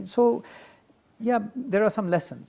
so ya ada beberapa pelajaran